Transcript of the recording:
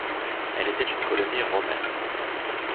Elle était une colonie romaine.